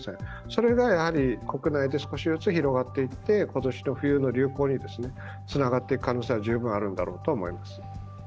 それが国内で少しずつ広がっていって今年の冬の流行につながっていく可能性は十分あるんだろうと思います。